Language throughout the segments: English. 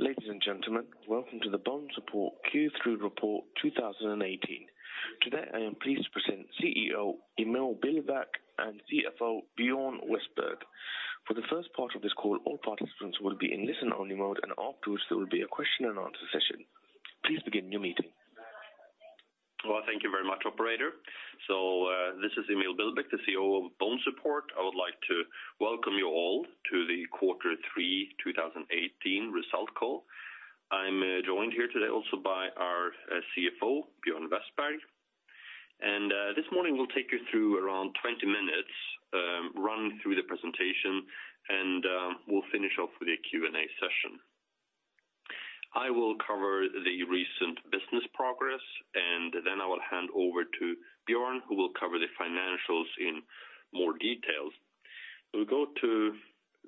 Ladies and gentlemen, welcome to the BONESUPPORT Q3 Report 2018. Today, I am pleased to present CEO, Emil Billbäck, and CFO, Björn Westberg. For the first part of this call, all participants will be in listen-only mode, and afterwards, there will be a question and answer session. Please begin your meeting. Well, thank you very much, operator. This is Emil Billbäck, the CEO of BONESUPPORT. I would like to welcome you all to the quarter three 2018 result call. I'm joined here today also by our CFO, Björn Westberg. This morning, we'll take you through around 20 minutes, run through the presentation, and we'll finish off with a Q&A session. I will cover the recent business progress, and then I will hand over to Björn, who will cover the financials in more details. We'll go to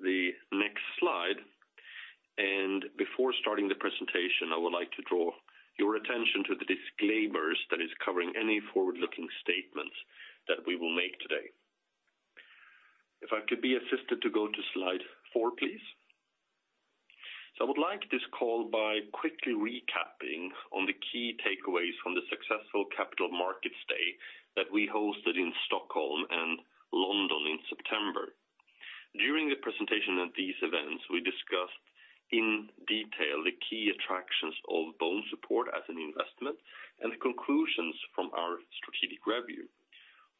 the next slide, and before starting the presentation, I would like to draw your attention to the disclaimers that is covering any forward-looking statements that we will make today. If I could be assisted to go to slide four, please. I would like this call by quickly recapping on the key takeaways from the successful Capital Markets Day that we hosted in Stockholm and London in September. During the presentation at these events, we discussed in detail the key attractions of BONESUPPORT as an investment and the conclusions from our strategic review.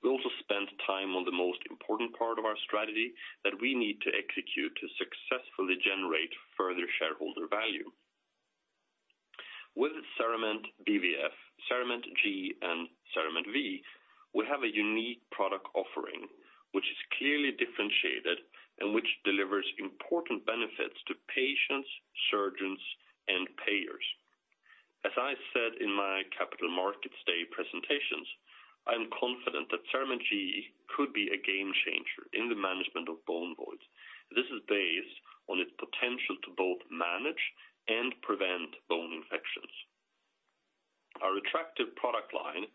We also spent time on the most important part of our strategy that we need to execute to successfully generate further shareholder value. With CERAMENT BVF, CERAMENT G, and CERAMENT V, we have a unique product offering, which is clearly differentiated and which delivers important benefits to patients, surgeons, and payers. As I said in my Capital Markets Day presentations, I'm confident that CERAMENT G could be a game changer in the management of bone voids. This is based on its potential to both manage and prevent bone infections. Our attractive product line,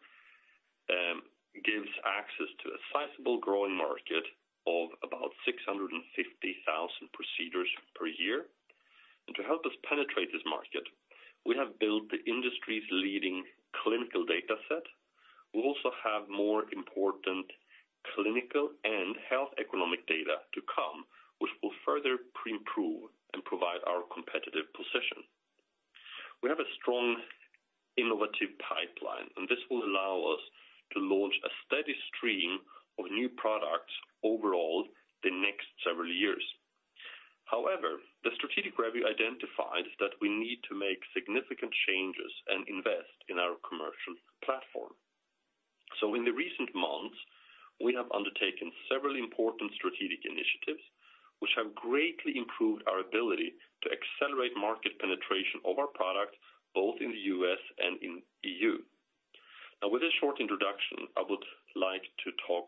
gives access to a sizable growing market of about 650,000 procedures per year. To help us penetrate this market, we have built the industry's leading clinical data set. We also have more important clinical and health economic data to come, which will further pre-improve and provide our competitive position. We have a strong innovative pipeline, and this will allow us to launch a steady stream of new products overall the next several years. The strategic review identifies that we need to make significant changes and invest in our commercial platform. In the recent months, we have undertaken several important strategic initiatives, which have greatly improved our ability to accelerate market penetration of our product, both in the U.S. and in E.U. With a short introduction, I would like to talk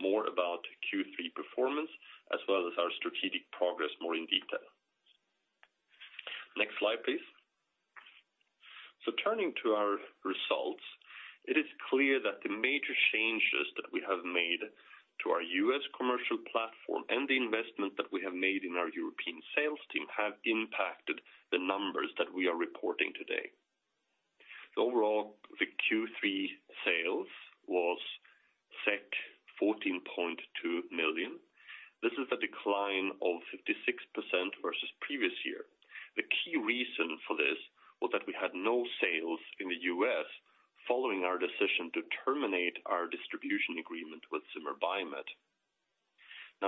more about Q3 performance, as well as our strategic progress more in detail. Next slide, please. Turning to our results, it is clear that the major changes that we have made to our U.S. commercial platform and the investment that we have made in our European sales team have impacted the numbers that we are reporting today. Overall, the Q3 sales was 14.2 million. This is a decline of 56% versus previous year. The key reason for this was that we had no sales in the U.S. following our decision to terminate our distribution agreement with Zimmer Biomet.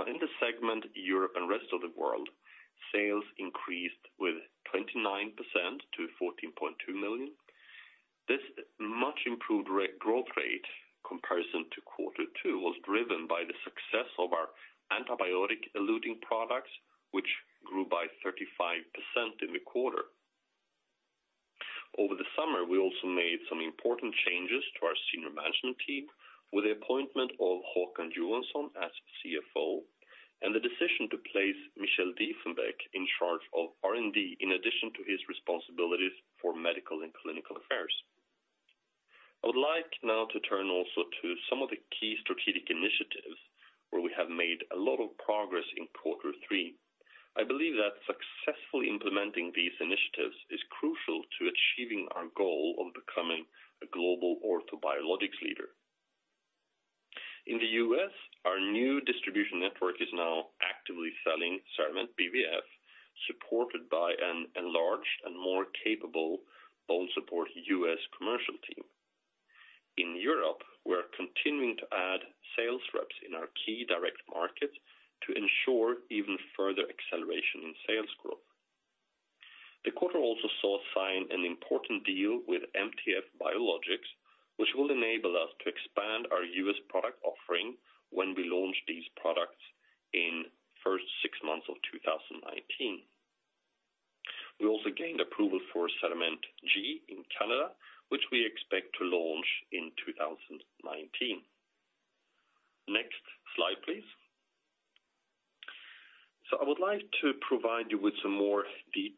In the segment, Europe and rest of the world, sales increased with 29% to 14.2 million. This much improved re-growth rate, comparison to quarter two, was driven by the success of our antibiotic-eluting products, which grew by 35% in the quarter. Over the summer, we also made some important changes to our senior management team with the appointment of Håkan Johansson as CFO, and the decision to place Michael Diefenbach in charge of R&D, in addition to his responsibilities for medical and clinical affairs. I would like now to turn also to some of the key strategic initiatives where we have made a lot of progress in quarter three. I believe that successfully implementing these initiatives is crucial to achieving our goal of becoming a global orthobiologics leader. In the U.S., our new distribution network is now actively selling CERAMENT BVF, supported by an enlarged and more capable BONESUPPORT U.S. commercial team. In Europe, we're continuing to add sales reps in our key direct markets to ensure even further acceleration in sales growth. The quarter also saw sign an important deal with MTF Biologics, which will enable us to expand our U.S. product offering when we launch these products in first six months of 2019. We also gained approval for CERAMENT G in Canada, which we expect to launch in 2019. Next slide, please. I would like to provide you with some more details.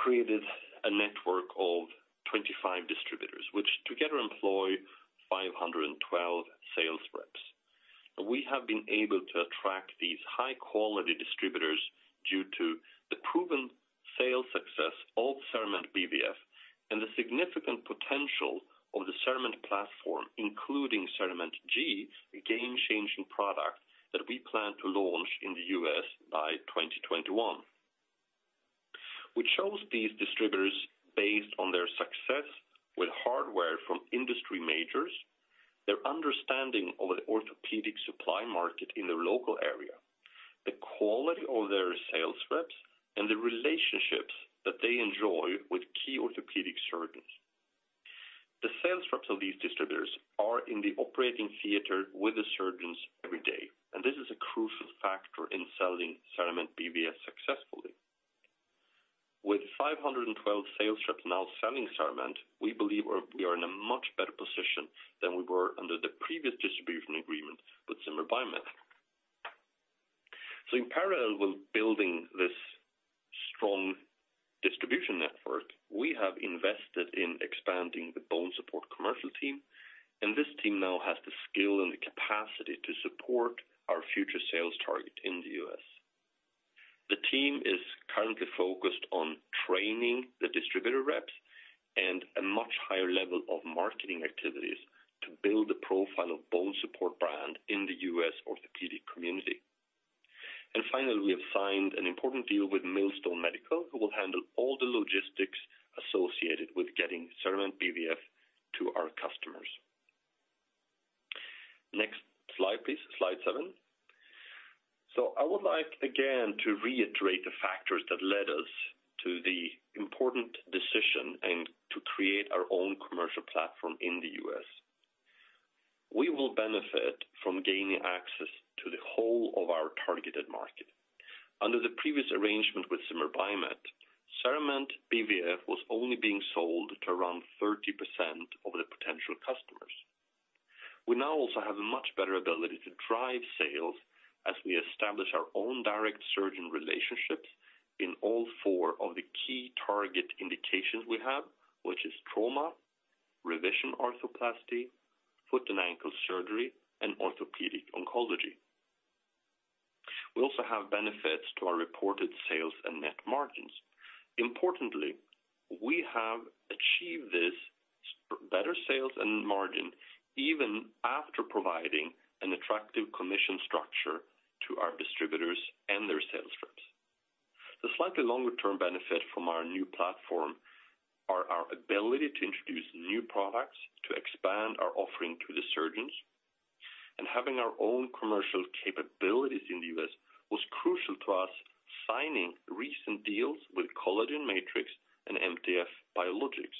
Created a network of 25 distributors, which together employ 512 sales reps. We have been able to attract these high-quality distributors due to the proven sales success of CERAMENT BVF and the significant potential of the CERAMENT platform, including CERAMENT G, a game-changing product that we plan to launch in the U.S. by 2021. We chose these distributors based on their success with hardware from industry majors, their understanding of the orthopedic supply market in their local area, the quality of their sales reps, and the relationships that they enjoy with key orthopedic surgeons. The sales reps of these distributors are in the operating theater with the surgeons every day, and this is a crucial factor in selling CERAMENT BVF successfully. With 512 sales reps now selling CERAMENT, we believe we are in a much better position than we were under the previous distribution agreement with Zimmer Biomet. In parallel with building this strong distribution network, we have invested in expanding the BONESUPPORT commercial team, and this team now has the skill and the capacity to support our future sales target in the U.S. The team is currently focused on training the distributor reps and a much higher level of marketing activities to build the profile of BONESUPPORT brand in the U.S. orthopedic community. Finally, we have signed an important deal with Millstone Medical, who will handle all the logistics associated with getting CERAMENT BVF to our customers. Next slide, please, slide seven. I would like, again, to reiterate the factors that led us to the important decision and to create our own commercial platform in the U.S. We will benefit from gaining access to the whole of our targeted market. Under the previous arrangement with Zimmer Biomet, CERAMENT BVF was only being sold to around 30% of the potential customers. We now also have a much better ability to drive sales as we establish our own direct surgeon relationships in all four of the key target indications we have, which is trauma, revision arthroplasty, foot and ankle surgery, and orthopedic oncology. We also have benefits to our reported sales and net margins. Importantly, we have achieved this better sales and margin even after providing an attractive commission structure to our distributors and their sales reps. The slightly longer-term benefit from our new platform are our ability to introduce new products to expand our offering to the surgeons, and having our own commercial capabilities in the U.S. was crucial to us signing recent deals with Collagen Matrix and MTF Biologics.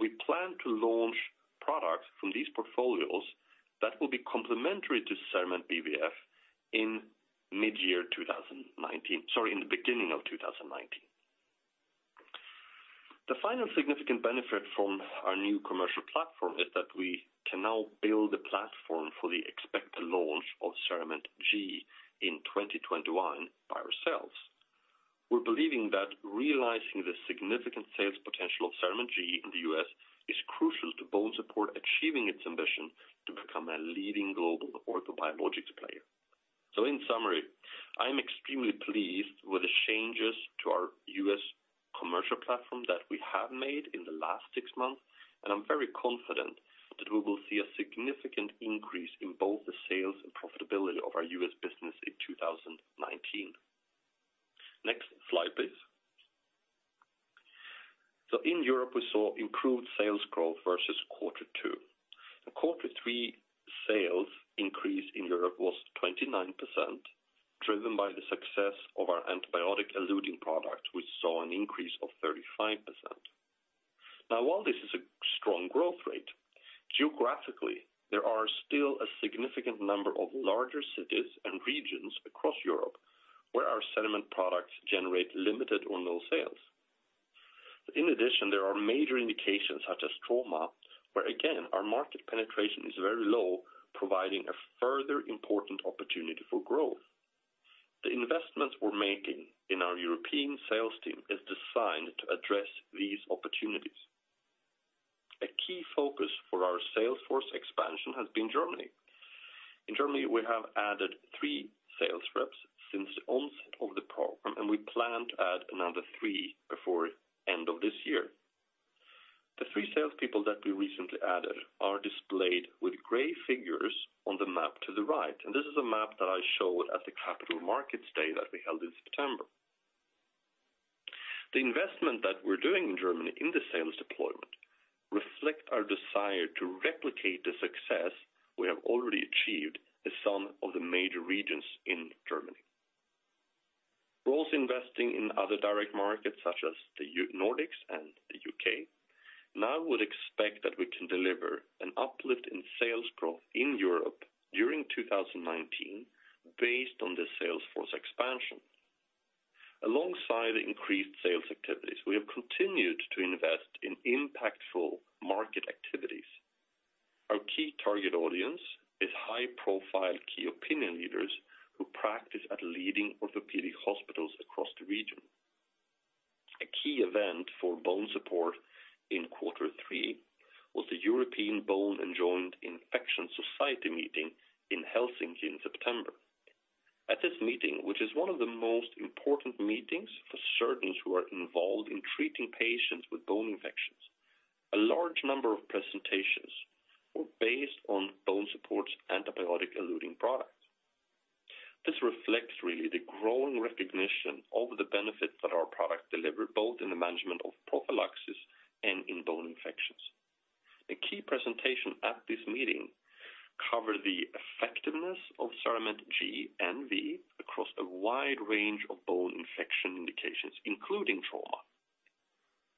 We plan to launch products from these portfolios that will be complementary to CERAMENT BVF in mid-year 2019, sorry, in the beginning of 2019. The final significant benefit from our new commercial platform is that we can now build a platform for the expected launch of CERAMENT G in 2021 by ourselves. We're believing that realizing the significant sales potential of CERAMENT G in the U.S. is crucial to BONESUPPORT achieving its ambition to become a leading global orthobiologics player. In summary, I am extremely pleased with the changes to our U.S. commercial platform that we have made in the last six months, and I'm very confident that we will see a significant increase in both the sales and profitability of our U.S. business in 2019. Next slide, please. In Europe, we saw improved sales growth versus quarter two. The quarter three sales increase in Europe was 29%, driven by the success of our antibiotic-eluting product, which saw an increase of 35%. While this is a strong growth rate, geographically, there are still a significant number of larger cities and regions across Europe where our CERAMENT products generate limited or no sales. In addition, there are major indications, such as trauma, where, again, our market penetration is very low, providing a further important opportunity for growth. The investments we're making in our European sales team is designed to address these opportunities. A key focus for our sales force expansion has been Germany. In Germany, we have added three sales reps since the onset of the program, and we plan to add another three before end of this year. The three salespeople that we recently added are displayed with gray figures on the map to the right. This is a map that I showed at the Capital Markets Day that we held in September. The investment that we're doing in Germany in the sales deployment reflect our desire to replicate the success we have already achieved in some of the major regions in Germany. We're also investing in other direct markets, such as the Nordics and the U.K. I would expect that we can deliver an uplift in sales growth in Europe during 2019 based on the sales force expansion. Alongside increased sales activities, we have continued to invest in high-profile key opinion leaders who practice at leading orthopedic hospitals across the region. A key event for BONESUPPORT in quarter three was the European Bone and Joint Infection Society meeting in Helsinki in September. At this meeting, which is one of the most important meetings for surgeons who are involved in treating patients with bone infections, a large number of presentations were based on BONESUPPORT's antibiotic-eluting product. This reflects really the growing recognition of the benefit that our product delivered, both in the management of prophylaxis and in bone infections. A key presentation at this meeting covered the effectiveness of CERAMENT G and V across a wide range of bone infection indications, including trauma.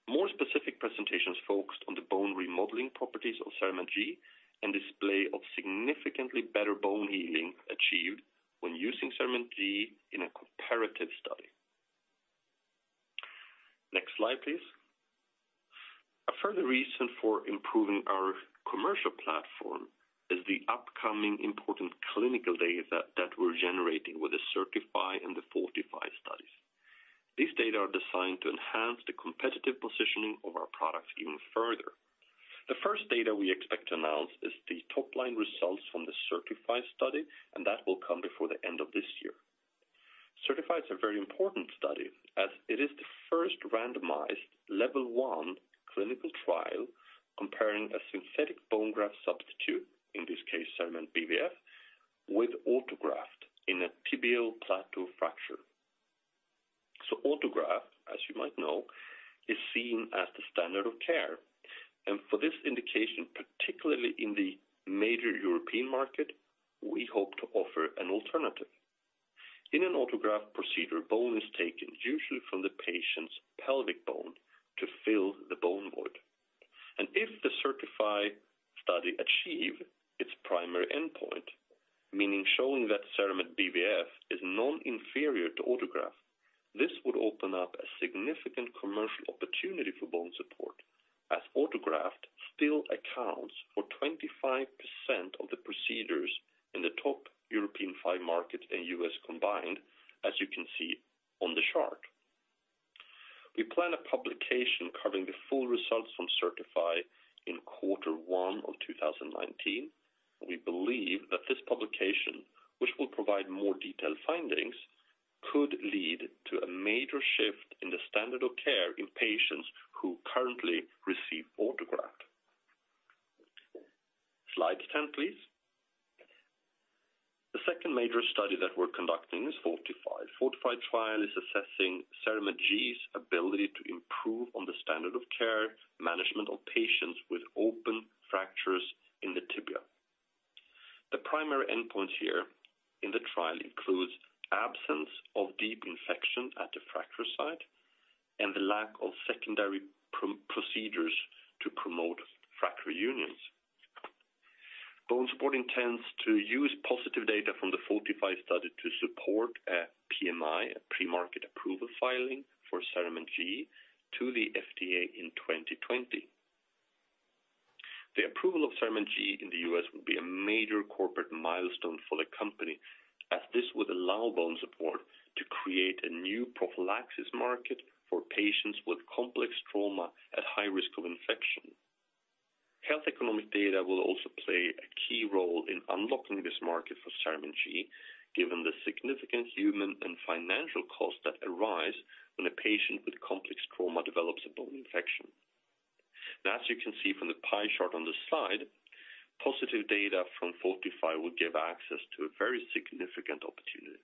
More specific presentations focused on the bone remodeling properties of CERAMENT G, and display of significantly better bone healing achieved when using CERAMENT G in a comparative study. Next slide, please. A further reason for improving our commercial platform is the upcoming important clinical data that we're generating with the CERTiFy and the FORTIFY studies. These data are designed to enhance the competitive positioning of our products even further. The first data we expect to announce is the top-line results from the CERTiFy study. That will come before the end of this year. CERTiFy is a very important study as it is the first randomized Level I clinical trial comparing a synthetic bone graft substitute, in this case, CERAMENT BVF, with autograft in a tibial plateau fracture. Autograft, as you might know, is seen as the standard of care. For this indication, particularly in the major European market, we hope to offer an alternative. In an autograft procedure, bone is taken usually from the patient's pelvic bone to fill the bone void. If the CERTiFy study achieve its primary endpoint, meaning showing that CERAMENT BVF is non-inferior to autograft, this would open up a significant commercial opportunity for BONESUPPORT, as autograft still accounts for 25% of the procedures in the top European five markets and U.S. combined, as you can see on the chart. We plan a publication covering the full results from CERTiFy in quarter one of 2019. We believe that this publication, which will provide more detailed findings, could lead to a major shift in the standard of care in patients who currently receive autograft. Slide 10, please. The second major study that we're conducting is FORTIFY. FORTIFY trial is assessing CERAMENT G's ability to improve on the standard of care management of patients with open fractures in the tibia. The primary endpoint here in the trial includes absence of deep infection at the fracture site and the lack of secondary procedures to promote fracture unions. BONESUPPORT intends to use positive data from the FORTIFY study to support a PMA, a Premarket Approval filing, for CERAMENT G to the FDA in 2020. The approval of CERAMENT G in the U.S. would be a major corporate milestone for the company, as this would allow BONESUPPORT to create a new prophylaxis market for patients with complex trauma at high risk of infection. Health economic data will also play a key role in unlocking this market for CERAMENT G, given the significant human and financial costs that arise when a patient with complex trauma develops a bone infection. As you can see from the pie chart on this slide, positive data from FORTIFY will give access to a very significant opportunity.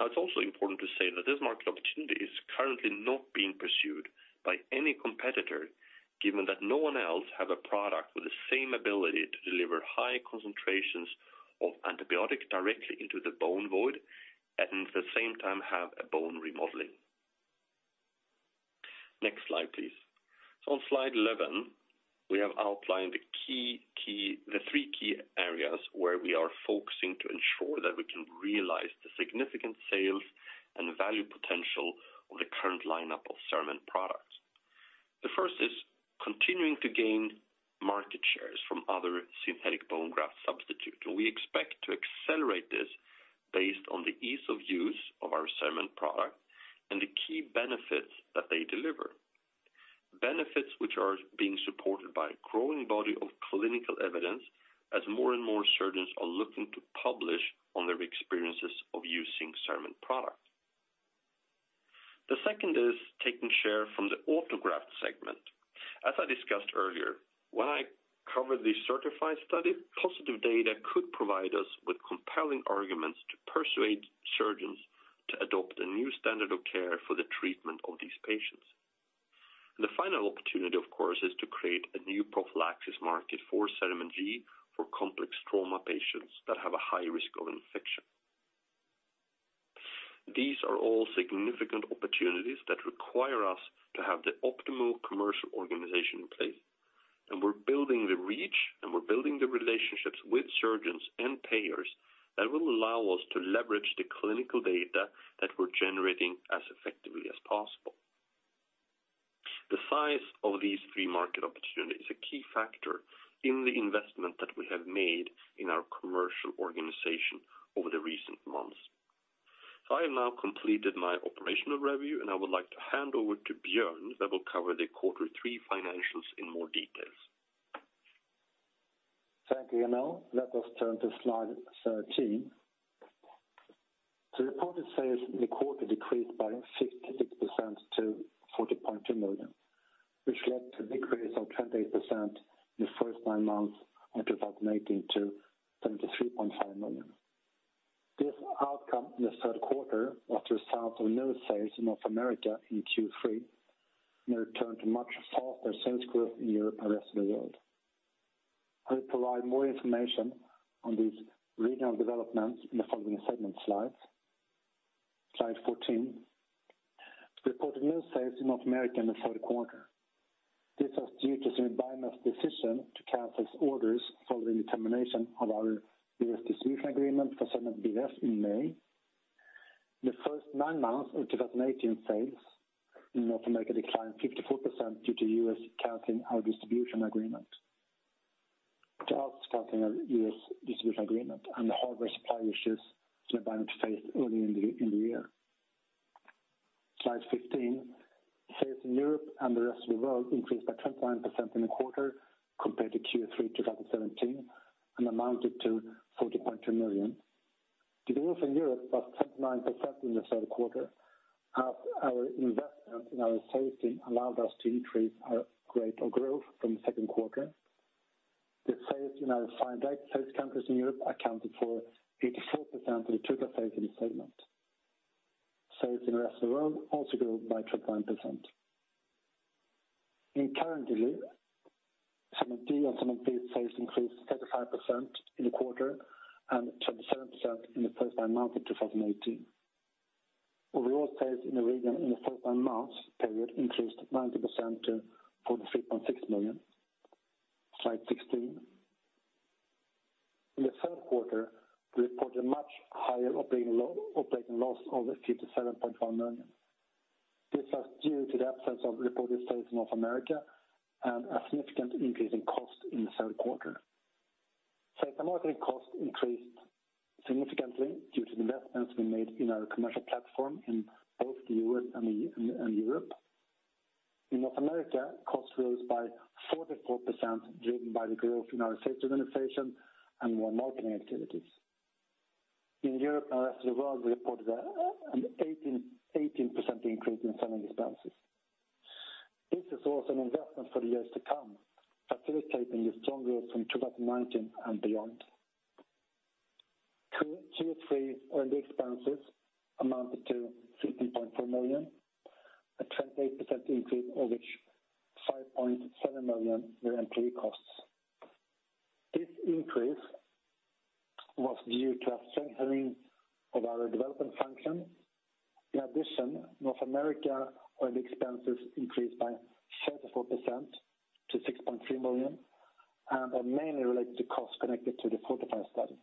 It's also important to say that this market opportunity is currently not being pursued by any competitor, given that no one else have a product with the same ability to deliver high concentrations of antibiotics directly into the bone void, and at the same time, have a bone remodeling. Next slide, please. On slide 11, we have outlined the three key areas where we are focusing to ensure that we can realize the significant sales and value potential of the current lineup of CERAMENT products. The first is continuing to gain market shares from other synthetic bone graft substitutes, and we expect to accelerate this based on the ease of use of our CERAMENT product and the key benefits that they deliver. Benefits which are being supported by a growing body of clinical evidence, as more and more surgeons are looking to publish on their experiences of using CERAMENT product. The second is taking share from the autograft segment. As I discussed earlier, when I covered the CERTiFy study, positive data could provide us with compelling arguments to persuade surgeons to adopt a new standard of care for the treatment of these patients. The final opportunity, of course, is to create a new prophylaxis market for CERAMENT G for complex trauma patients that have a high risk of infection. These are all significant opportunities that require us to have the optimal commercial organization in place, and we're building the reach, and we're building the relationships with surgeons and payers that will allow us to leverage the clinical data that we're generating as effectively as possible. The size of these three market opportunities is a key factor in the investment that we have made in our commercial organization over the recent months. I have now completed my operational review, and I would like to hand over to Björn, that will cover the quarter three financials in more details. Thank you, Emil. Let us turn to slide 13. The reported sales in the quarter decreased by 56% to 40.2 million, which led to decrease of 28% in the first nine months of 2018 to 23.5 million. This outcome in the third quarter was the result of no sales in North America in Q3, and a return to much faster sales growth in Europe and the rest of the world. I will provide more information on these regional developments in the following segment slides. Slide 14. Reported no sales in North America in the third quarter. This was due to some buyer's decision to cancel its orders for the determination of our U.S. distribution agreement for CERAMENT BVF in May. The first nine months of 2018 sales in North America declined 54% due to U.S. canceling our distribution agreement. To us, canceling our U.S. distribution agreement and the hardware supply issues that were bound to face early in the year. Slide 15. Sales in Europe and the rest of the world increased by 29% in the quarter compared to Q3 2017, and amounted to 40.2 million. The growth in Europe was 29% in the third quarter, as our investment in our sales team allowed us to increase our rate of growth from the second quarter. The sales in our five direct sales countries in Europe accounted for 84% of the total sales in the segment. Sales in the rest of the world also grew by 29%. Currently, segment D and segment B sales increased 35% in the quarter, and 27% in the first nine months of 2018. Overall sales in the region in the first nine months period increased 90% to 43.6 million. Slide 16. In the third quarter, we reported a much higher operating loss of 57.1 million. This was due to the absence of reported sales in North America, and a significant increase in cost in the third quarter. Sales and marketing costs increased significantly due to the investments we made in our commercial platform in both the U.S. and Europe. In North America, costs rose by 44%, driven by the growth in our sales organization and more marketing activities. In Europe and the rest of the world, we reported an 18% increase in selling expenses. This is also an investment for the years to come, facilitating the strong growth in 2019 and beyond. Q3 R&D expenses amounted to 15.4 million, a 28% increase, of which 5.7 million were employee costs. This increase was due to a strengthening of our development function. North America R&D expenses increased by 34% to 6.3 million, and are mainly related to costs connected to the FORTIFY study.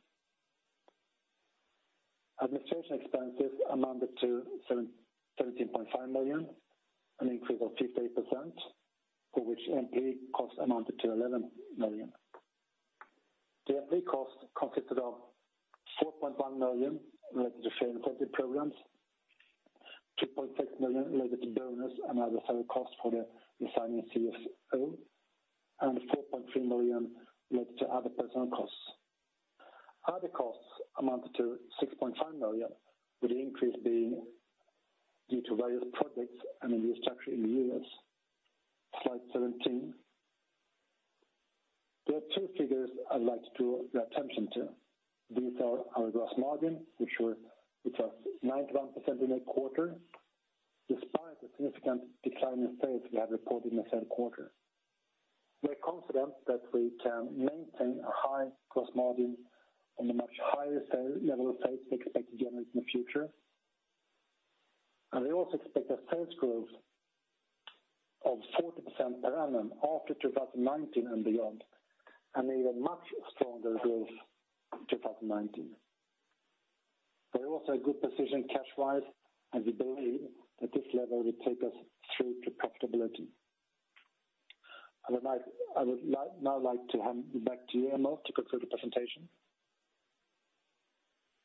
Administration expenses amounted to 17.5 million, an increase of 58%, for which employee costs amounted to 11 million. The employee cost consisted of 4.1 million related to share incentive programs, 2.6 million related to bonus and other salary costs for the resigning CFO, and 4.3 million related to other personal costs. Other costs amounted to 6.5 million, with the increase being due to various projects and in the structure in the U.S. Slide 17. There are two figures I'd like to draw your attention to. These are our gross margin, which was 91% in a quarter, despite the significant decline in sales we have reported in the third quarter. We are confident that we can maintain a high gross margin on a much higher level of sales we expect to generate in the future. We also expect a sales growth of 40% per annum after 2019 and beyond, and an even much stronger growth in 2019. We are also a good position cash-wise, and we believe that this level will take us through to profitability. I would like now like to hand back to you, Emil, to conclude the presentation.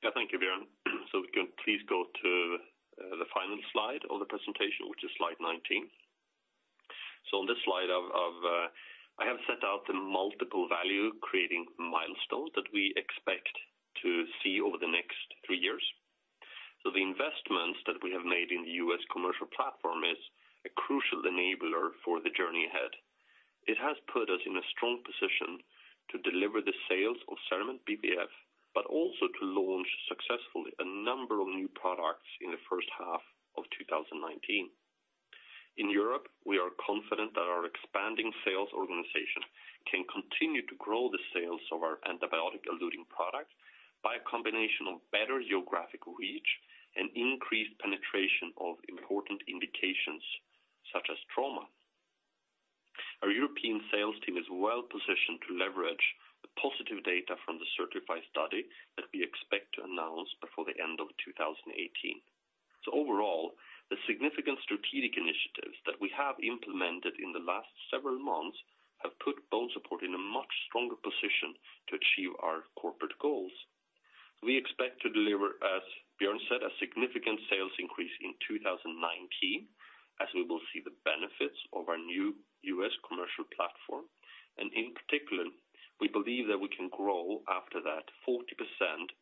Yeah, thank you, Björn. We can please go to the final slide of the presentation, which is slide 19. On this slide I have set out the multiple value creating milestones that we expect to see over the next three years. The investments that we have made in the U.S. commercial platform is a crucial enabler for the journey ahead. It has put us in a strong position to deliver the sales of CERAMENT BVF, but also to launch successfully a number of new products in the first half of 2019. In Europe, we are confident that our expanding sales organization can continue to grow the sales of our antibiotic-eluting products by a combination of better geographic reach and increased penetration of important indications, such as trauma. Our European sales team is well positioned to leverage the positive data from the CERTiFy study that we expect to announce before the end of 2018. Overall, the significant strategic initiatives that we have implemented in the last several months have put BONESUPPORT in a much stronger position to achieve our corporate goals. We expect to deliver, as Björn said, a significant sales increase in 2019, as we will see the benefits of our new U.S. commercial platform. In particular, we believe that we can grow after that 40%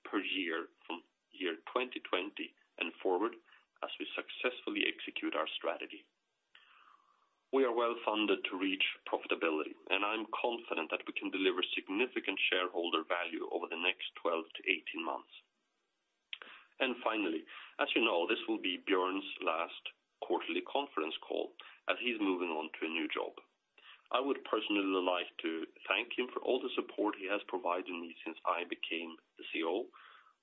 per year from 2020 and forward, as we successfully execute our strategy. We are well-funded to reach profitability, I'm confident that we can deliver significant shareholder value over the next 12-18 months. Finally, as you know, this will be Björn's last quarterly conference call, as he's moving on to a new job. I would personally like to thank him for all the support he has provided me since I became the CEO.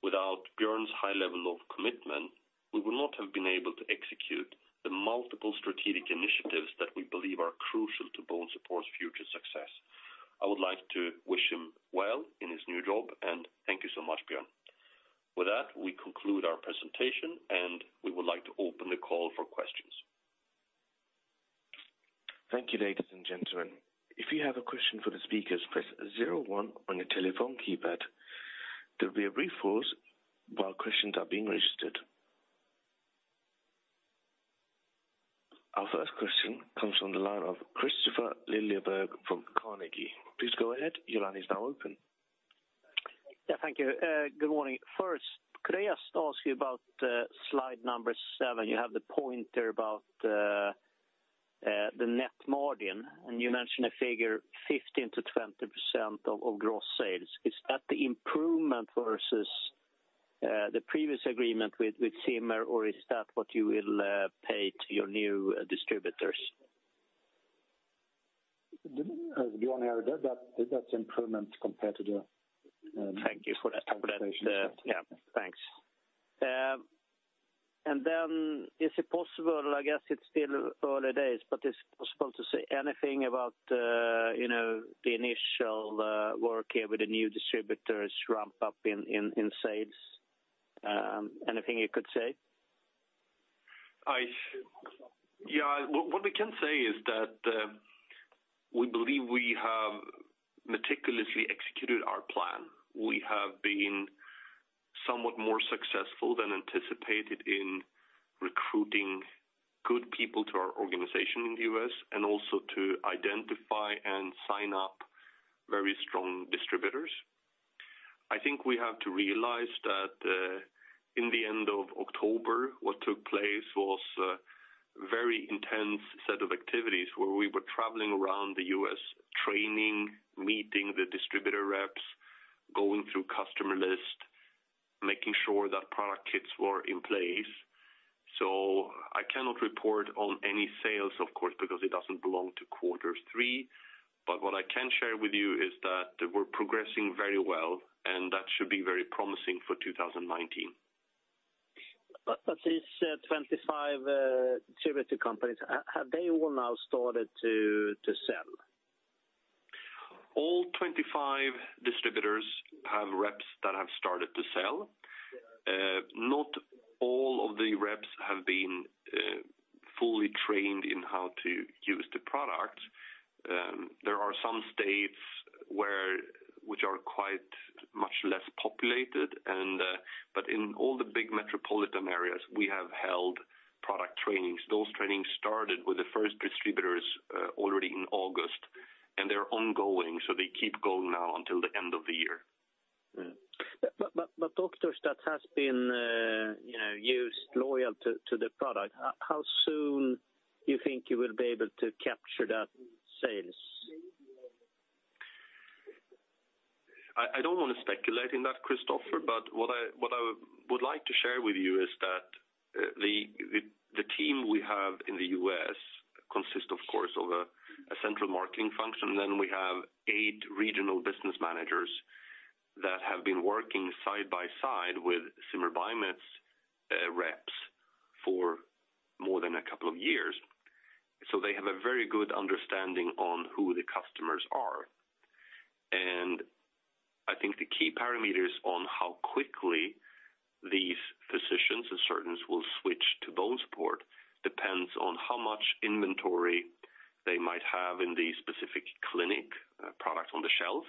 Without Björn's high level of commitment, we would not have been able to execute the multiple strategic initiatives that we believe are crucial to BONESUPPORT's future success. I would like to wish him well in his new job. Thank you so much, Björn. With that, we conclude our presentation. We would like to open the call for questions. Thank you, ladies and gentlemen. If you have a question for the speakers, press zero one on your telephone keypad. There'll be a brief pause while questions are being registered. Our first question comes from the line of Kristoffer Lillieberg from Carnegie. Please go ahead. Your line is now open. Yeah, thank you. Good morning. First, could I just ask you about slide number seven? You have the point there about the net margin, and you mentioned a figure 15%-20% of gross sales. Is that the improvement versus the previous agreement with Zimmer, or is that what you will pay to your new distributors? Björn here, that's improvement compared to the. Thank you for that confirmation. Yeah, thanks. Is it possible, I guess it's still early days, but is it possible to say anything about, you know, the initial work here with the new distributors ramp up in sales? Anything you could say? Yeah, what we can say is that we believe we have meticulously executed our plan. We have been somewhat more successful than anticipated in recruiting good people to our organization in the U.S., and also to identify and sign up very strong distributors. I think we have to realize that in the end of October, what took place was a very intense set of activities where we were traveling around the U.S., training, meeting the distributor reps, going through customer list, making sure that product kits were in place. I cannot report on any sales, of course, because it doesn't belong to quarter three. What I can share with you is that we're progressing very well, and that should be very promising for 2019. These 25 distributor companies, have they all now started to sell? All 25 distributors have reps that have started to sell. Not all of the reps have been fully trained in how to use the product. There are some states which are quite much less populated, and, in all the big metropolitan areas, we have held product trainings. Those trainings started with the first distributors, already in August, and they're ongoing, they keep going now until the end of the year. Doctors that has been, you know, used, loyal to the product, how soon you think you will be able to capture that sales? I don't want to speculate in that, Kristoffer, but what I would like to share with you is that the team we have in the U.S. consists, of course, of a central marketing function. We have eight regional business managers that have been working side by side with Zimmer Biomet's reps for more than a couple of years. They have a very good understanding on who the customers are. I think the key parameters on how quickly these physicians and surgeons will switch to BONESUPPORT depends on how much inventory they might have in the specific clinic, product on the shelf,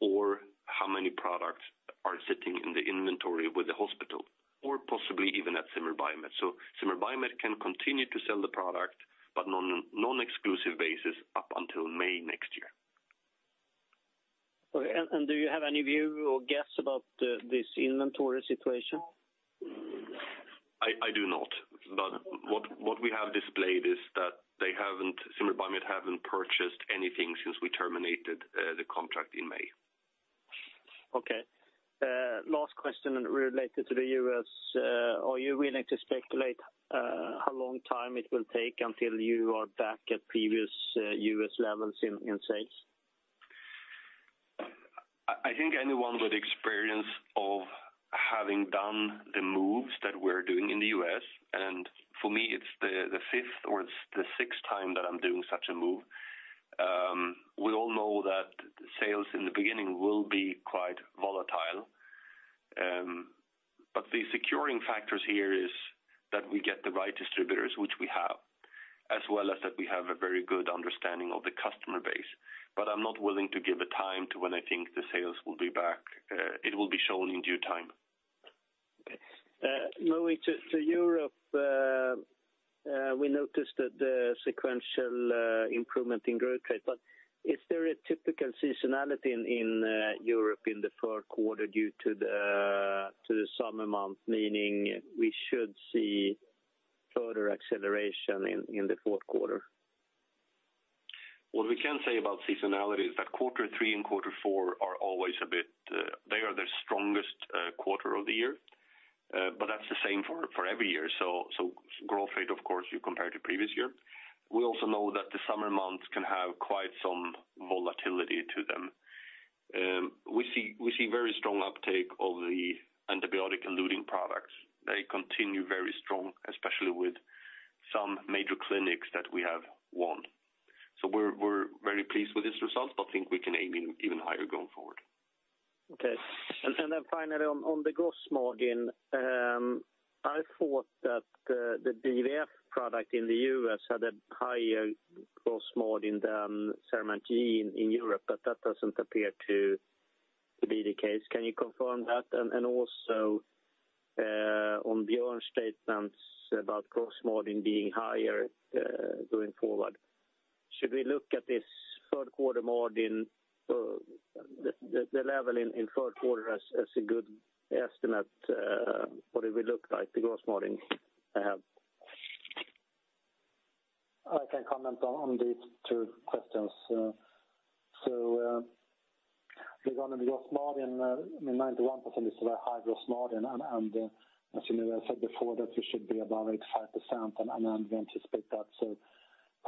or how many products are sitting in the inventory with the hospital, or possibly even at Zimmer Biomet. Zimmer Biomet can continue to sell the product, but on a non-exclusive basis up until May next year. Okay, and do you have any view or guess about this inventory situation? I do not, but what we have displayed is that Zimmer Biomet haven't purchased anything since we terminated the contract in May. Okay. Last question, and related to the U.S., are you willing to speculate how long time it will take until you are back at previous U.S. levels in sales? I think anyone with experience of having done the moves that we're doing in the U.S. For me, it's the fifth or it's the sixth time that I'm doing such a move. We all know that sales in the beginning will be quite volatile. The securing factors here is that we get the right distributors, which we have, as well as that we have a very good understanding of the customer base. I'm not willing to give a time to when I think the sales will be back. It will be shown in due time. Okay. Moving to Europe, we noticed that the sequential improvement in growth rate. Is there a typical seasonality in Europe in the third quarter due to the summer months, meaning we should see further acceleration in the fourth quarter? What we can say about seasonality is that quarter three and quarter four are always a bit. They are the strongest quarter of the year, but that's the same for every year. Growth rate, of course, you compare to previous year. We also know that the summer months can have quite some volatility to them. We see very strong uptake of the antibiotic-eluting products. They continue very strong, especially with some major clinics that we have won. We're very pleased with this result, but think we can aim even higher going forward. Okay. Then finally on the gross margin, I thought that the BVF product in the U.S. had a higher gross margin than CERAMENT G in Europe, but that doesn't appear to be the case. Can you confirm that? Also on Björn's statements about gross margin being higher going forward, should we look at this third quarter margin, the level in third quarter as a good estimate what it will look like, the gross margin you have? I can comment on these two questions. Regarding the gross margin, I mean, 91% is a very high gross margin, and as you know, I said before, that we should be above 85%, and I'm going to split that, so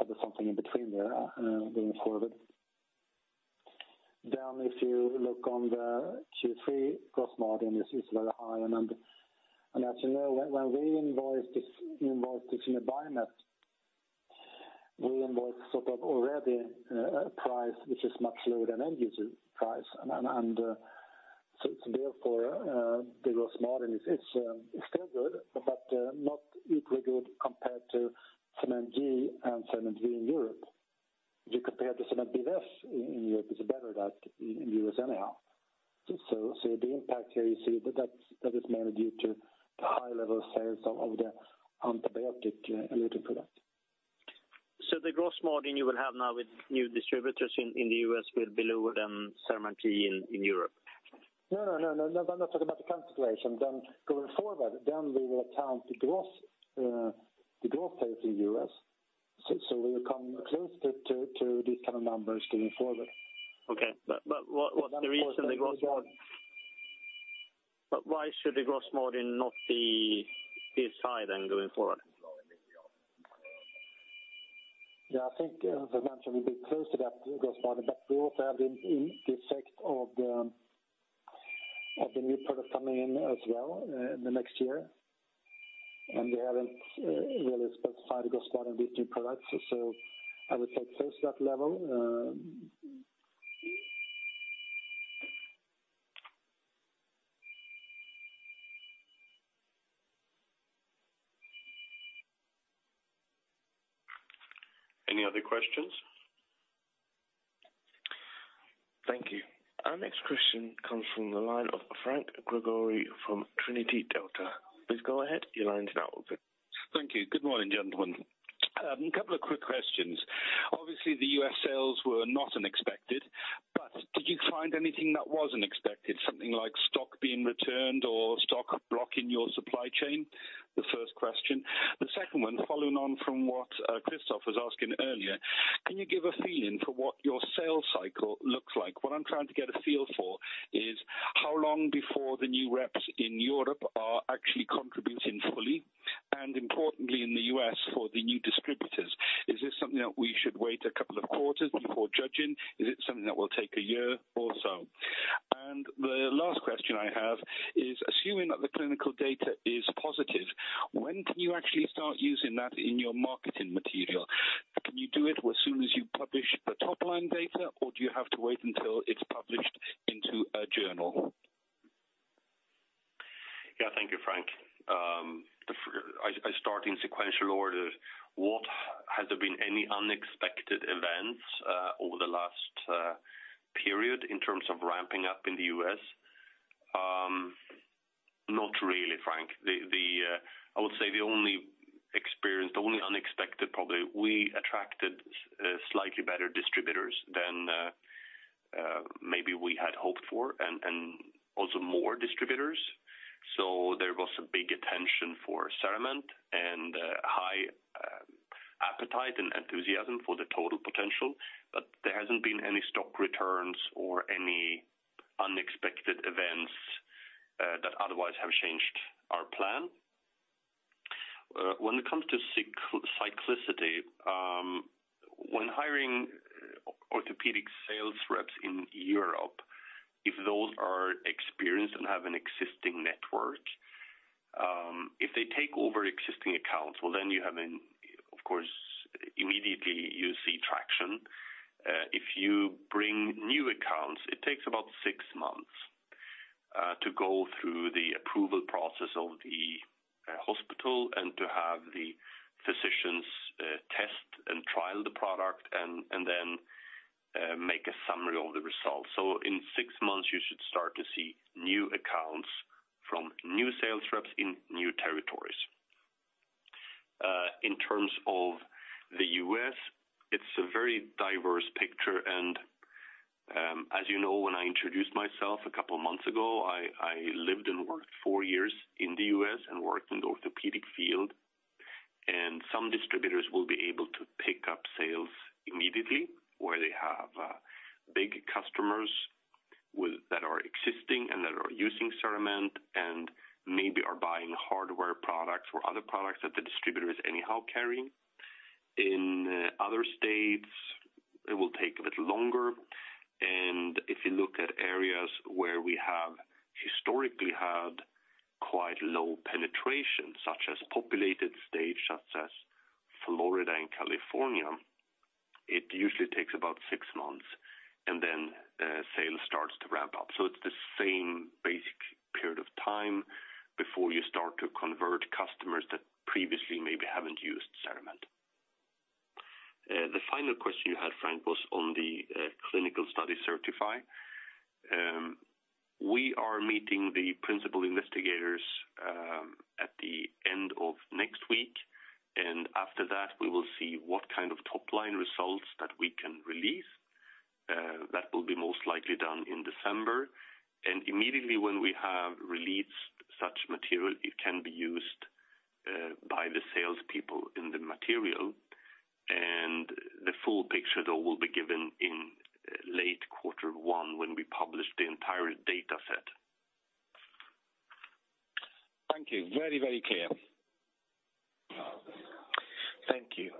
there's something in between there, going forward. If you look on the Q3 gross margin, this is very high number. As you know, when we invoice this in the buying net, we invoice sort of already a price which is much lower than end user price. Therefore, the gross margin is still good, but not equally good compared to CERAMENT G and CERAMENT G in Europe. If you compare it to CERAMENT BVF in Europe, it's better that in U.S. anyhow. The impact here, you see that is mainly due to the high level of sales of the antibiotic-eluting product. The gross margin you will have now with new distributors in the U.S. will be lower than CERAMENT G in Europe? No, no, no, I'm not talking about the current situation. Going forward, then we will account the gross, the growth rate in U.S. We will come close to these kind of numbers going forward. Okay. What's the reason why should the gross margin not be as high then going forward? Yeah, I think, as I mentioned, we'll be close to that gross margin, but we also have the effect of the new product coming in as well, in the next year. We haven't really specified the gross margin of these new products, so I would say close to that level. Any other questions? Thank you. Our next question comes from the line of Franc Gregori from Trinity Delta. Please go ahead. Your line now open. Thank you. Good morning, gentlemen. A couple quick questions. Obviously, the U.S. sales were not unexpected, but did you find anything that was unexpected, something like stock being returned or stock blocking your supply chain? The first question. The second one, following on from what Kristoffer was asking earlier, can you give a feeling for what your sales cycle looks like? What I'm trying to get a feel for is how long before the new reps in Europe are actually contributing fully, and importantly, in the U.S., for the new distributors, is this something that we should wait a couple of quarters before judging? Is it something that will take a year or so? The last question I have is, assuming that the clinical data is positive, when can you actually start using that in your marketing material? Can you do it as soon as you publish the top-line data, or do you have to wait until it's published into a journal? Yeah, thank you, Franc. I start in sequential order. Has there been any unexpected events over the last period in terms of ramping up in the U.S.? Not really, Franc. I would say the only experience, the only unexpected, probably, we attracted slightly better distributors than maybe we had hoped for, and also more distributors. There was a big attention for CERAMENT and high appetite and enthusiasm for the total potential, but there hasn't been any stock returns or any unexpected events that otherwise have changed our plan. When it comes to cyclicity, when hiring orthopedic sales reps in Europe, if those are experienced and have an existing network, if they take over existing accounts, well, then you have of course, immediately you see traction. If you bring new accounts, it takes about six months to go through the approval process of the hospital and to have the physicians test and trial the product, and then make a summary of the results. In six months, you should start to see new accounts from new sales reps in new territories. In terms of the U.S., it's a very diverse picture, and as you know, when I introduced myself a couple months ago, I lived and worked four years in the U.S. and worked in the orthopedic field. Some distributors will be able to pick up sales immediately, where they have big customers that are existing and that are using CERAMENT and maybe are buying hardware products or other products that the distributor is anyhow carrying. In other states, it will take a bit longer, and if you look at areas where we have historically had quite low penetration, such as populated states, such as Florida and California, it usually takes about six months, and then sales starts to ramp up. It's the same basic period of time before you start to convert customers that previously maybe haven't used CERAMENT. The final question you had, Franc, was on the clinical study CERTiFy. We are meeting the principal investigators at the end of next week. After that, we will see what kind of top-line results that we can release. That will be most likely done in December. Immediately when we have released such material, it can be used by the salespeople in the material. The full picture, though, will be given in late quarter one when we publish the entire data set. Thank you. Very, very clear. Thank you.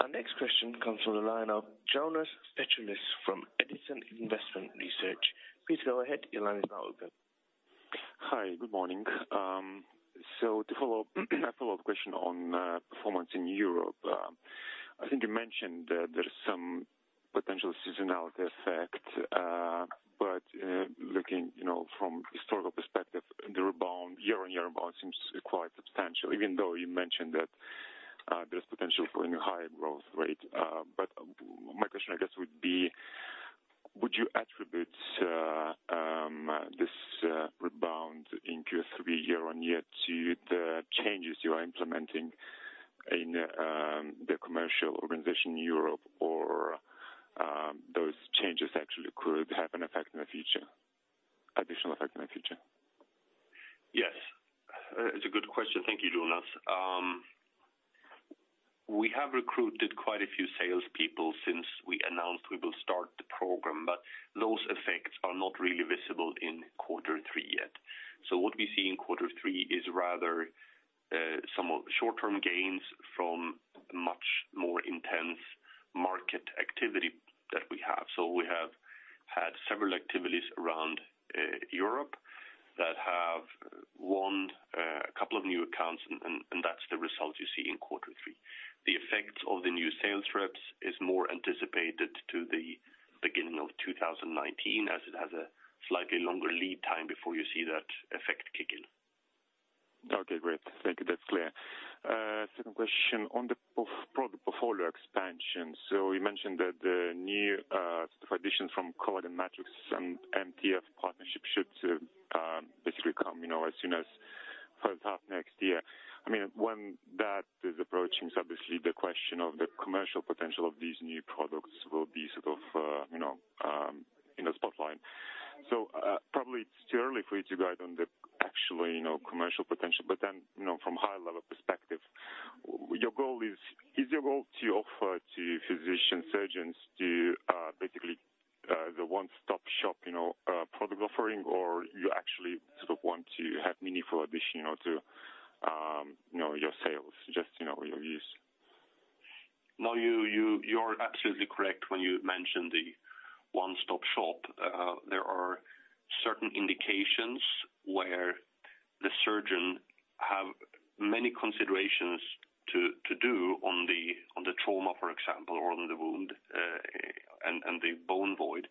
Our next question comes from the line of Jonas Peciulis from Edison Investment Research. Please go ahead. Your line is now open. Hi, good morning. To follow up, a follow-up question on performance in Europe. I think you mentioned that there is some potential seasonality effect, but looking, you know, from historical perspective, the rebound, year-on-year rebound seems quite substantial, even though you mentioned that there's potential for an higher growth rate. My question, I guess, would be: Would you attribute this rebound in Q3 year-on-year to the changes you are implementing in the commercial organization in Europe? Those changes actually could have an effect in the future, additional effect in the future? Yes. It's a good question. Thank you, Jonas. We have recruited quite a few salespeople since we announced we will start the program. Those effects are not really visible in quarter three yet. What we see in quarter three is rather some of short-term gains from much more intense market activity that we have. We have had several activities around Europe that have won a couple of new accounts, and that's the result you see in quarter three. The effects of the new sales reps is more anticipated to the beginning of 2019, as it has a slightly longer lead time before you see that effect kick in. Okay, great. Thank you. That's clear. Second question on the product portfolio expansion. You mentioned that the new additions from Collagen Matrix and MTF partnership should basically come, you know, as soon as first half next year. I mean, when that is approaching, obviously, the question of the commercial potential of these new products will be sort of, you know, in the spotlight. Probably it's too early for you to guide on the actually, you know, commercial potential, you know, from high-level perspective, is your goal to offer to physician surgeons to basically the one-stop shop, you know, product offering, or you actually sort of want to have meaningful addition, you know, to, you know, your sales, just, you know, your use? No, you're absolutely correct when you mentioned the one-stop shop. There are certain indications where the surgeon have many considerations to do on the trauma, for example, or on the wound, and the bone void.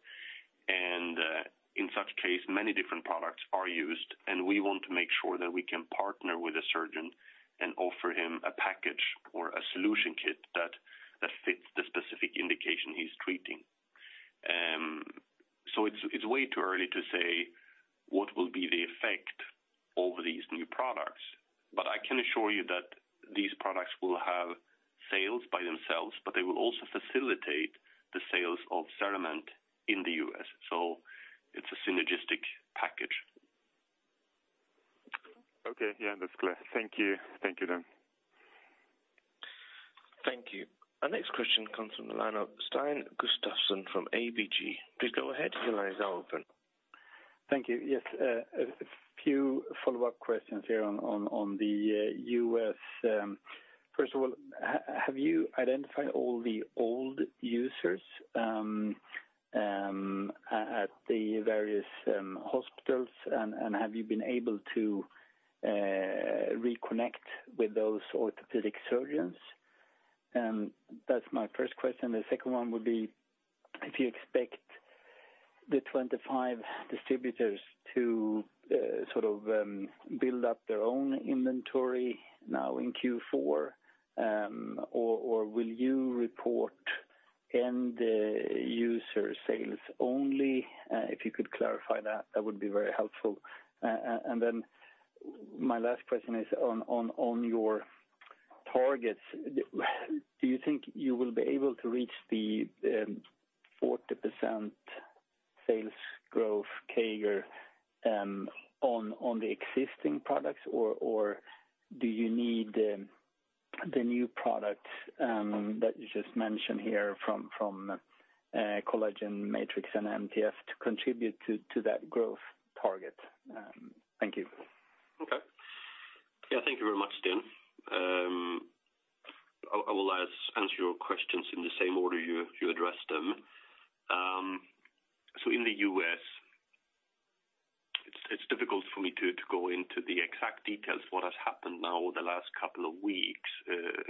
In such case, many different products are used, and we want to make sure that we can partner with the surgeon and offer him a package or a solution kit that fits the specific indication he's treating. It's way too early to say what will be the effect of these new products, but I can assure you that these products will have sales by themselves, but they will also facilitate the sales of CERAMENT in the U.S., so it's a synergistic package. Okay. Yeah, that's clear. Thank you. Thank you, then. Thank you. Our next question comes from the line of Sten Gustafsson from ABG. Please go ahead, your line is open. Thank you. Yes, a few follow-up questions here on the U.S. First of all, have you identified all the old users at the various hospitals, and have you been able to reconnect with those orthopedic surgeons? That's my first question. The second one would be, if you expect the 25 distributors to sort of build up their own inventory now in Q4, or will you report end user sales only? If you could clarify that would be very helpful. Then my last question is on your targets, do you think you will be able to reach the 40% sales growth CAGR on the existing products or do you need the new products that you just mentioned here from Collagen Matrix and MTF to contribute to that growth target? Thank you. Okay. Yeah, thank you very much, Sten. I will answer your questions in the same order you addressed them. In the U.S., it's difficult for me to go into the exact details of what has happened now over the last couple of weeks,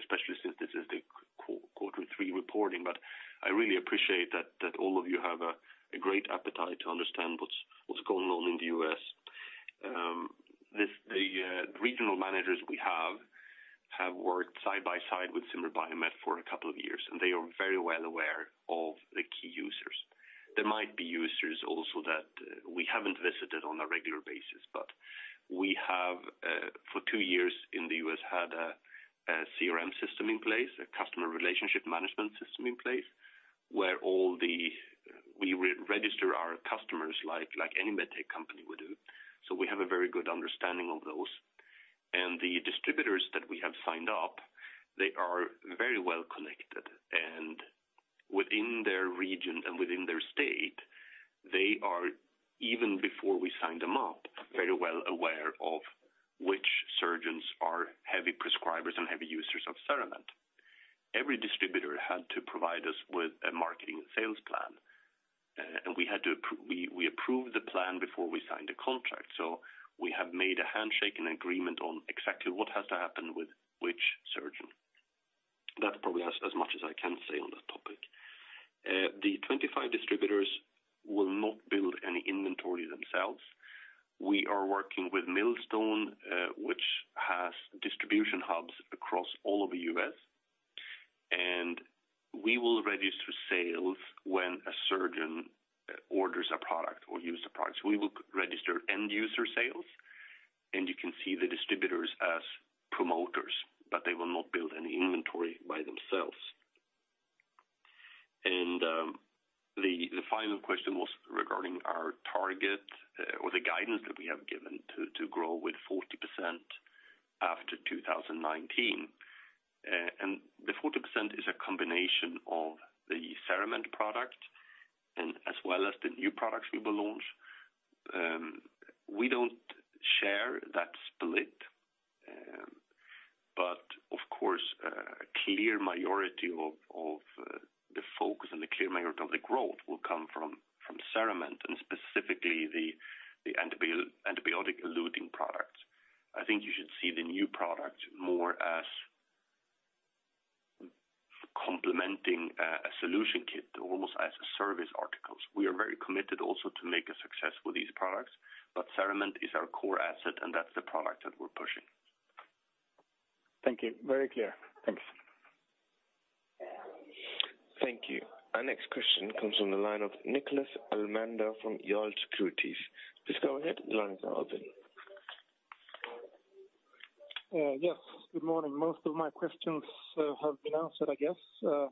especially since this is the quarter three reporting. I really appreciate that all of you have a great appetite to understand what's going on in the U.S. The regional managers we have worked side by side with Zimmer Biomet for a couple of years, and they are very well aware of the key users. There might be users also that we haven't visited on a regular basis, but we have for two years in the U.S., had a CRM system in place, a customer relationship management system in place, where we register our customers like any MedTech company would do. We have a very good understanding of those. The distributors that we have signed up, they are very well connected, and within their region and within their state, they are, even before we signed them up, very well aware of which surgeons are heavy prescribers and heavy users of CERAMENT. Every distributor had to provide us with a marketing and sales plan, and we approved the plan before we signed a contract. We have made a handshake and agreement on exactly what has to happen with which surgeon. That's probably as much as I can say on that topic. The 25 distributors will not build any inventory themselves. We are working with Millstone, which has distribution hubs across all of the U.S., and we will register sales when a surgeon orders a product or use the products. We will register end user sales, and you can see the distributors as promoters, but they will not build any inventory by themselves. The final question was regarding our target or the guidance that we have given to grow with 40% after 2019. The 40% is a combination of the CERAMENT product and as well as the new products we will launch. We don't share that split. Of course, a clear majority of the focus and the clear majority of the growth will come from Cerament, and specifically the antibiotic-eluting products. I think you should see the new product more as complementing, a solution kit, almost as a service articles. We are very committed also to make a success with these products. Cerament is our core asset, and that's the product that we're pushing. Thank you. Very clear. Thanks. Thank you. Our next question comes from the line of Niklas Elmhammer from Jarl Securities. Please go ahead, the line is now open. Yes, good morning. Most of my questions have been answered, I guess.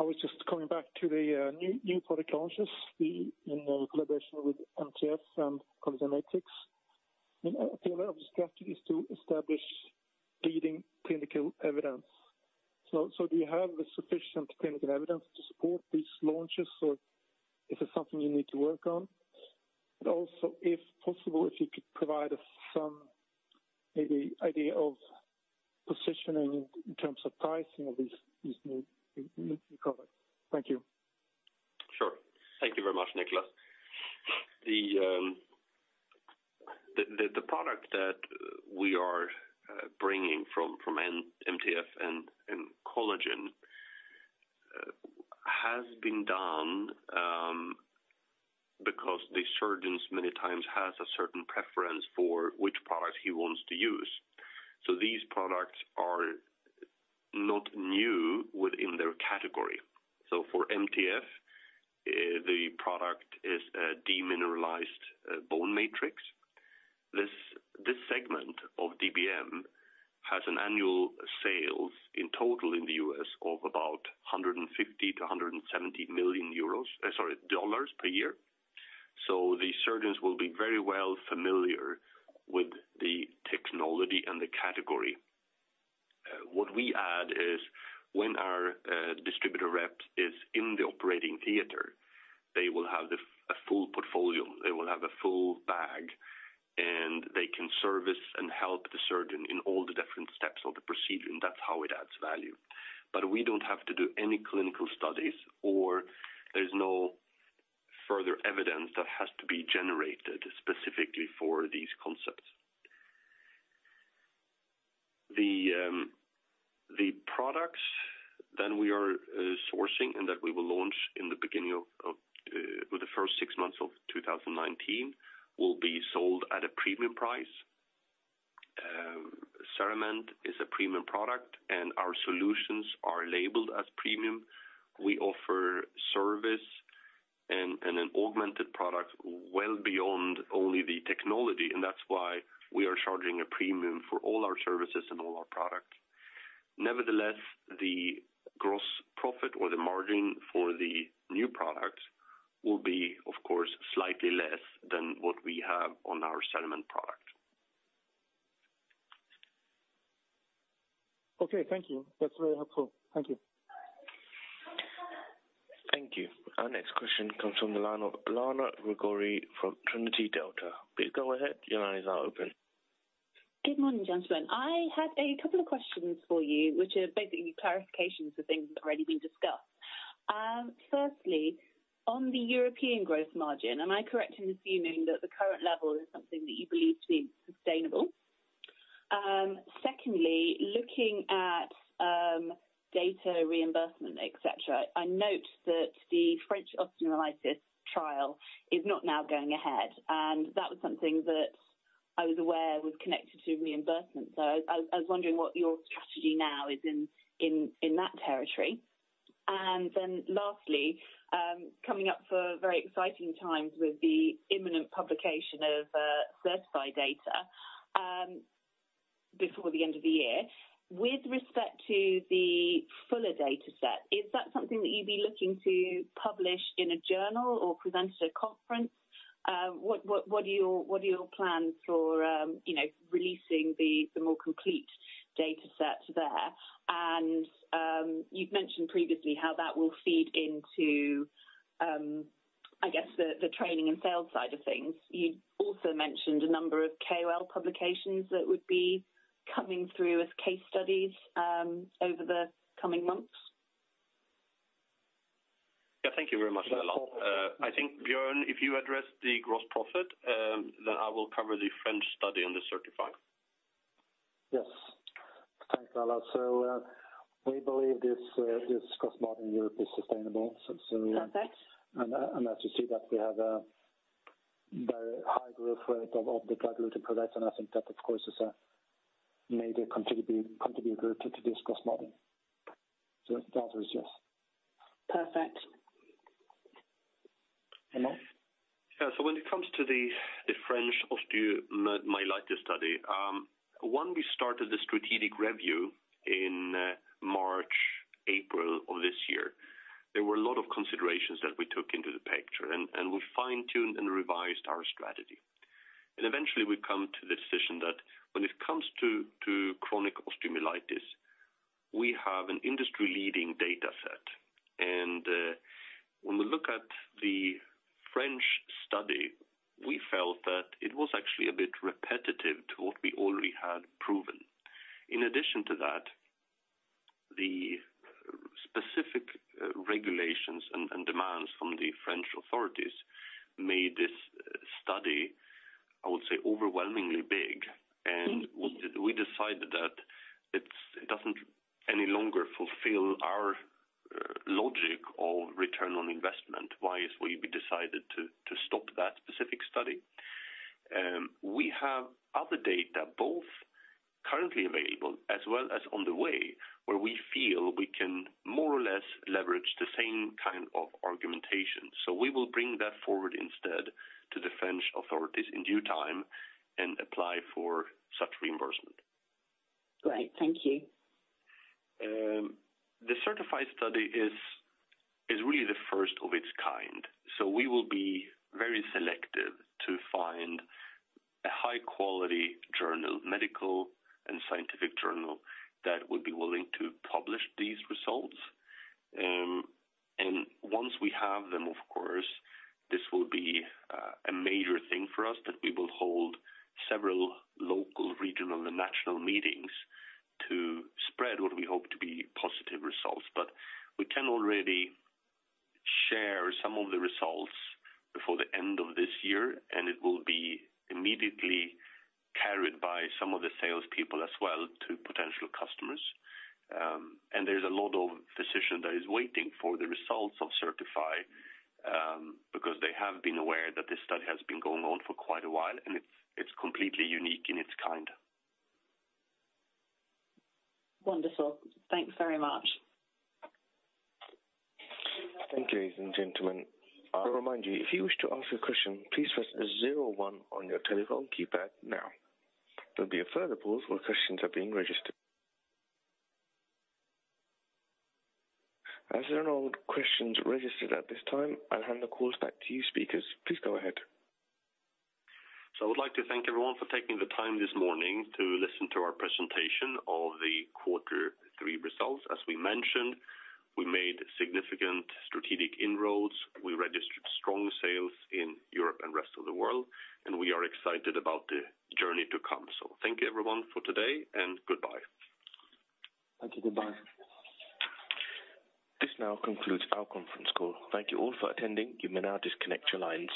I was just coming back to the new product launches in collaboration with MTF and Collagen Matrix. The strategy is to establish leading clinical evidence. Do you have the sufficient clinical evidence to support these launches, or is it something you need to work on? If possible, if you could provide us some maybe idea of positioning in terms of pricing of these new products. Thank you. Sure. Thank you very much, Niklas. The product that we are bringing from MTF and Collagen has been done because the surgeons many times has a certain preference for which product he wants to use. These products are not new within their category. For MTF, the product is a demineralized bone matrix. This segment of DBM has an annual sales in total in the U.S. of about $150 million-$170 million dollars per year. The surgeons will be very well familiar with the technology and the category. What we add is, when our distributor rep is in the operating theater, they will have a full portfolio. They will have a full bag, and they can service and help the surgeon in all the different steps of the procedure, and that's how it adds value. We don't have to do any clinical studies, or there's no further evidence that has to be generated specifically for these concepts. The products that we are sourcing and that we will launch in the beginning of, with the first six months of 2019, will be sold at a premium price. CERAMENT is a premium product, and our solutions are labeled as premium. We offer service and an augmented product well beyond only the technology, and that's why we are charging a premium for all our services and all our products. Nevertheless, the gross profit or the margin for the new products will be, of course, slightly less than what we have on our CERAMENT product. Okay, thank you. That's very helpful. Thank you. Thank you. Our next question comes from the line of Lala Gregorek from Trinity Delta. Please go ahead. Your line is now open. Good morning, gentlemen. I had a couple of questions for you, which are basically clarifications of things that have already been discussed. Firstly, on the European growth margin, am I correct in assuming that the current level is something that you believe to be sustainable? Secondly, looking at data reimbursement, et cetera, I note that the French osteomyelitis trial is not now going ahead, and that was something that I was aware was connected to reimbursement. I was wondering what your strategy now is in that territory. Lastly, coming up for very exciting times with the imminent publication of CERTiFy data before the end of the year. With respect to the fuller data set, is that something that you'd be looking to publish in a journal or present at a conference? What are your plans for, you know, releasing the more complete data set there? You've mentioned previously how that will feed into, I guess the training and sales side of things. You also mentioned a number of KOL publications that would be coming through as case studies over the coming months. Yeah, thank you very much, Lala. I think, Björn, if you address the gross profit, I will cover the French study on the CERTiFy. Yes. Thanks, Lala. We believe this cost model in Europe is sustainable. Perfect. As you see that we have a very high growth rate of the gluteal products, and I think that, of course, is a major contributor to this cost model. The answer is yes. Perfect. Emil? When it comes to the French osteomyelitis study, when we started the strategic review in March, April of this year, there were a lot of considerations that we took into the picture, and we fine-tuned and revised our strategy. Eventually, we come to the decision that when it comes to chronic osteomyelitis, we have an industry-leading data set. When we look at the French study, we felt that it was actually a bit repetitive to what we already had proven. In addition to that, the specific regulations and demands from the French authorities made this study, I would say, overwhelmingly big. Mm-hmm. We decided that it doesn't any longer fulfill our logic of return on investment. Why is we decided to stop that specific study? We have other data, both currently available as well as on the way, where we feel we can more or less leverage the same kind of argumentation. We will bring that forward instead to the French authorities in due time and apply for such reimbursement. Great. Thank you. The CERTiFy study is really the first of its kind. We will be very selective to find a high-quality journal, medical and scientific journal, that would be willing to publish these results. Once we have them, of course, this will be a major thing for us, that we will hold several local, regional, and national meetings to spread what we hope to be positive results. We can already share some of the results before the end of this year, and it will be immediately carried by some of the salespeople as well, to potential customers. There's a lot of physicians that is waiting for the results of CERTiFy because they have been aware that this study has been going on for quite a while, and it's completely unique in its kind. Wonderful. Thanks very much. Thank you, ladies and gentlemen. I'll remind you, if you wish to ask a question, please press zero one on your telephone keypad now. There'll be a further pause where questions are being registered. As there are no questions registered at this time, I'll hand the calls back to you, speakers. Please go ahead. I would like to thank everyone for taking the time this morning to listen to our presentation of the quarter three results. As we mentioned, we made significant strategic inroads. We registered strong sales in Europe and rest of the world, and we are excited about the journey to come. Thank you, everyone, for today, and goodbye. Thank you. Goodbye. This now concludes our conference call. Thank you all for attending. You may now disconnect your lines.